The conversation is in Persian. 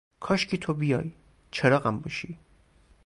کاشکی تو بیای ، چراغم باشی